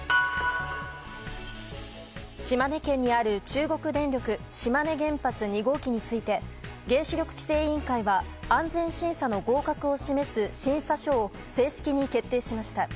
島根県にある中国電力島根原発２号機について原子力規制委員会は安全審査の合格を示す審査書を正式に決定しました。